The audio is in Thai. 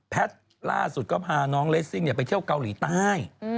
แพทน์ล่าสุดก็พาน้องเลสซิ่งเนี่ยไปเที่ยวกาวหลีใต้